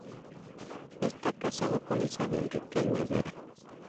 Está casado con Isabel Riquelme Vera.